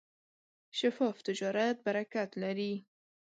شفاف تجارت برکت لري.